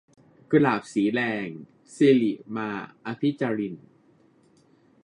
กุหลาบสีแดง - สิริมา อภิจาริน